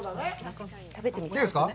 いいですか？